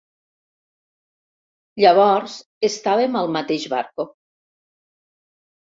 Llavors estàvem al mateix barco.